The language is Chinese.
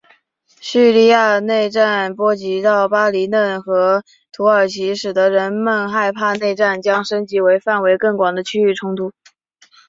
叙利亚内战波及到黎巴嫩和土耳其使得人们害怕内战将升级为一场范围更广的区域冲突。